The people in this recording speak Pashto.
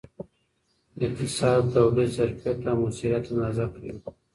اقتصاد د تولید ظرفیت او موثریت اندازه کوي.